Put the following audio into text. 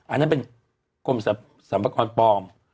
อันนั้นเป็นกรมสรรพากรปลอม